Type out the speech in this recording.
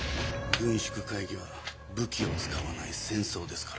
軍縮会議は武器を使わない戦争ですから。